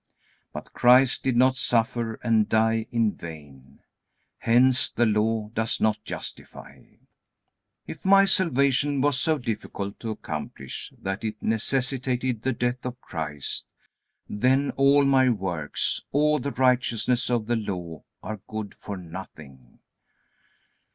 But Christ did not suffer and die in vain. Hence, the Law does not justify. If my salvation was so difficult to accomplish that it necessitated the death of Christ, then all my works, all the righteousness of the Law, are good for nothing.